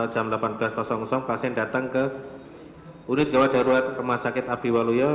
jam delapan belas pasien datang ke unit gawat darurat rumah sakit abdi waluyo